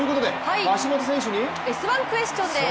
橋本選手に「Ｓ☆１」クエスチョンです。